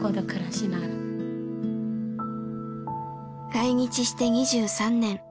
来日して２３年。